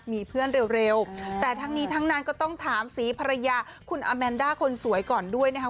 มีเพื่อนเร็วแต่ทั้งนี้ทั้งนั้นก็ต้องถามสีภรรยาคุณอาแมนด้าคนสวยก่อนด้วยนะคะ